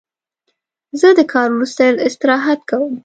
زه د کار وروسته استراحت کوم.